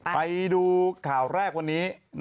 ไปดูข่าวแรกวันนี้